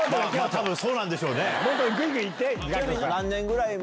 多分そうなんでしょうね。